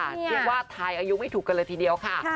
เรียกว่าทายอายุไม่ถูกกันเลยทีเดียวค่ะ